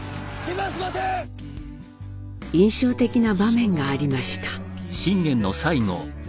印象的な場面がありました。